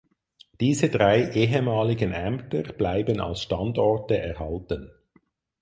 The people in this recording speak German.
Diese drei ehemaligen Ämter bleiben als Standorte erhalten.